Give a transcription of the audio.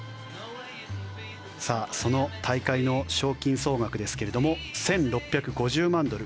その大会の賞金総額ですが１６５０万ドル